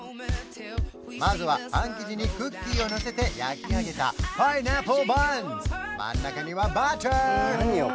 まずはパン生地にクッキーをのせて焼き上げたパイナップルバンズ真ん中にはバター！